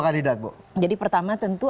kandidat bu jadi pertama tentu